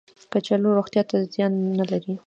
کچالو روغتیا ته زیان نه لري